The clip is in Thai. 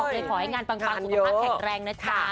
เลยขอให้งานปังสุขภาพแข็งแรงนะจ๊ะ